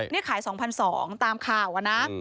นี่ขาย๒๒๐๐ตามข่าวอะนะ